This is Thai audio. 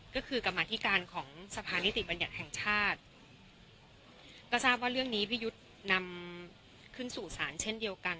ก็คือกรรมาธิการของสนบชก็ทราบว่าเรื่องนี้พี่ยุทธนำขึ้นสู่สารเช่นเดียวกัน